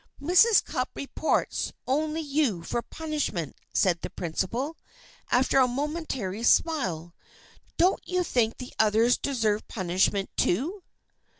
"Mrs. Cupp reports only you for punishment," said the principal, after a momentary smile. "Don't you think the others deserve punishment, too?"